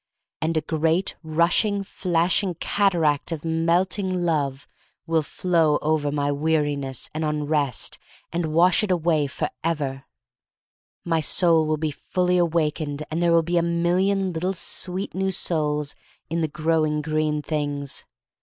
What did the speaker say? And a great rushing, flashing cataract of melting love will flow over my weari THE STORY OF MARY MAC LANE 1 53 ness and unrest and wash it away for ever. My soul will be fully awakened and there will be a million little sweet new souls in the green growing things.